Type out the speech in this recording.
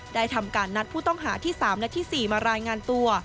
ทำการนัดผู้ต้องหาที่๓และที่๔มารายงานตัว